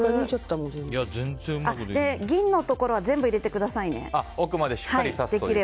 銀のところは全部入れてくださいね。